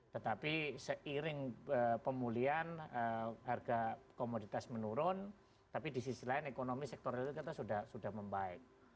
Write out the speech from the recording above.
tetapi seiring pemulihan harga komoditas menurun tapi di sisi lain ekonomi sektor real kita sudah membaik